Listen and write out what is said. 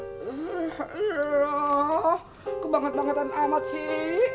wah kebanget bangetan amat sih